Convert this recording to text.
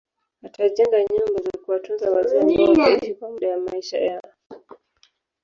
Atajenga nyumba za kuwatunza wazee ambao wataishi kwa muda wa maisha yao